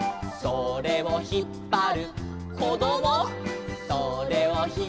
「それをひっぱるまご」